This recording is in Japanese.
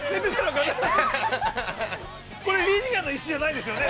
これ、リニアの椅子じゃないんですよね。